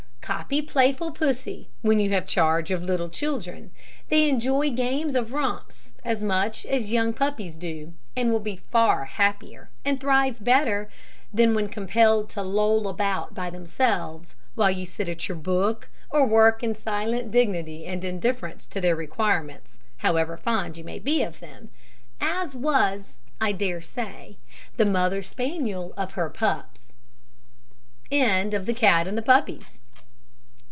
Copy playful Pussy, when you have charge of little children. They enjoy games of romps as much as young puppies do, and will be far happier, and thrive better, than when compelled to loll about by themselves, while you sit at your book or work in silent dignity and indifference to their requirements, however fond you may be of them as was, I daresay, the mother spaniel of her pups.